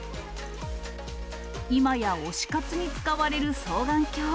今や推し活に使われる双眼鏡。